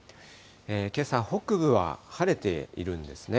けさ、北部は晴れているんですね。